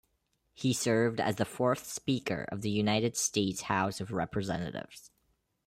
He served as the fourth Speaker of the United States House of Representatives.